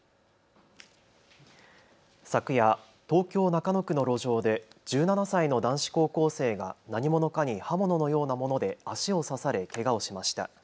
昨夜、東京中野区の路上で１７歳の男子高校生が何者かに刃物のようなもので足を刺されけがをしました。